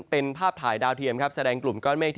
เป็นภาพถ่ายดาวเทียมครับแสดงกลุ่มก้อนเมฆ